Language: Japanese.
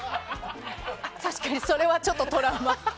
確かにそれはちょっとトラウマ。